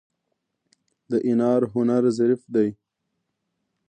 د ایران هنر ظریف دی.